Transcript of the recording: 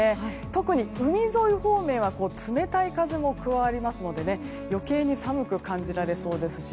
特に海沿い方面は冷たい風も加わりますので余計に寒く感じられそうですし